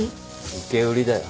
受け売りだよ。